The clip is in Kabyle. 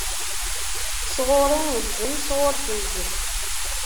S ɣuṛ-i ilzem, s ɣuṛ-k igzem.